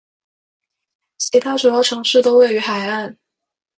其他主要城市都位于海岸。